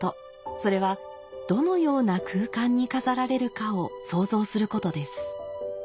それはどのような空間に飾られるかを想像することです。